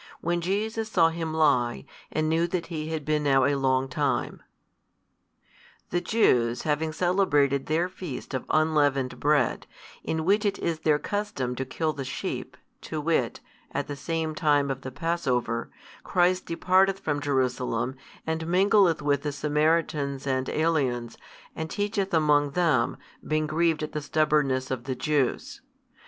When Jesus saw him lie, and knew that he had been now a long time, The Jews having celebrated their feast of unleavened bread, in which it is their custom to kill the sheep, to wit, at the time of the Passover, Christ departeth from Jerusalem, and mingleth with the Samaritans and aliens, and teacheth among them, being grieved at the stubbornness of the Jews.